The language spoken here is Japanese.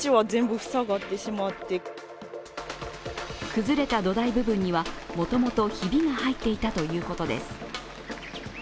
崩れた土台部分には、もともとひびが入っていたということです。